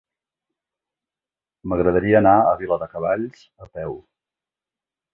M'agradaria anar a Viladecavalls a peu.